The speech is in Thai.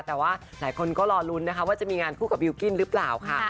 แต่ว่าหลายคนก็รอลุ้นนะคะว่าจะมีงานคู่กับบิลกิ้นหรือเปล่าค่ะ